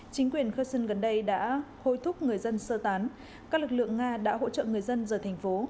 chính quyền kerson gần đây đã hối thúc người dân sơ tán các lực lượng nga đã hỗ trợ người dân rời thành phố